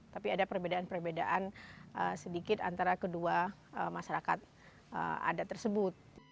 tapi ada perbedaan perbedaan sedikit antara kedua masyarakat adat tersebut